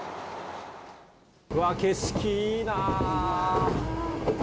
うわー、景色いいな。